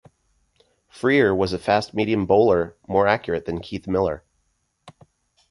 Freer was a fast-medium bowler more accurate than Keith Miller.